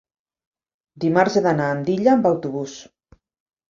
Dimarts he d'anar a Andilla amb autobús.